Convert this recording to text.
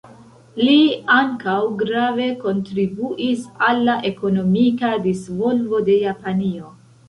Li ankaŭ grave kontribuis al la ekonomika disvolvo de Japanio.